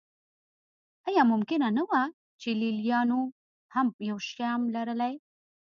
ایا ممکنه نه وه چې لېلیانو هم یو شیام لرلی.